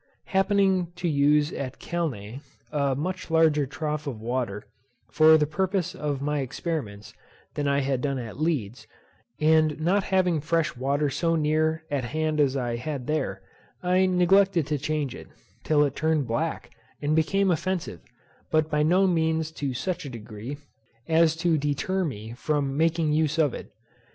Happening to use at Calne, a much larger trough of water, for the purpose of my experiments, than I had done at Leeds, and not having fresh water so near at hand as I had there, I neglected to change it, till it turned black, and became offensive, but by no means to such a degree, as to deter me from making use of it.